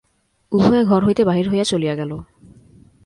উভয়ে ঘর হইতে বাহির হইয়া চলিয়া গেল।